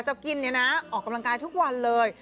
จะกินเนี่ยนะออกกำลังกายทุกวันเลย